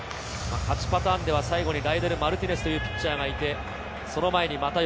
勝ちパターンでは最後に代打でマルティネスというピッチャーがいて、その前に又吉。